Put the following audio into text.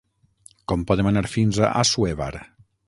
Com podem anar fins a Assuévar?